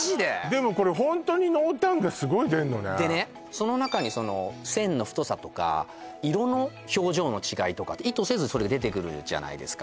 でもこれホントにでねその中にその線の太さとか色の表情の違いとかって意図せずそれ出てくるじゃないですか